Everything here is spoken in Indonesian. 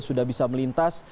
sudah bisa melintas